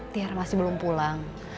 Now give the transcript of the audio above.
tiara masih belum pulang